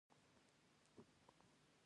ایا تاسو کله په کلینیک کې یاست؟